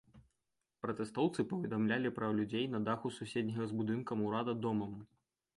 Пратэстоўцы паведамлялі пра людзей на даху суседняга з будынкам ўрада домам.